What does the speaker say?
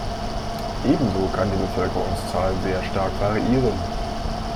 Ebenso kann die Bevölkerungszahl sehr stark variieren.